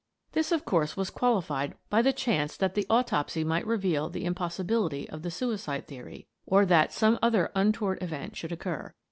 This, of course, was qualified by the chance that the autopsy might reveal the impossibility of the suicide theory, or that some other untoward event should occur.